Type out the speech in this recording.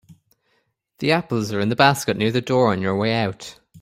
The apples are in the basket near the door on your way out.